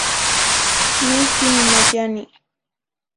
Neh yinimayani.